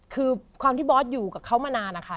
คือความที่บอสอยู่กับเขามานานนะคะ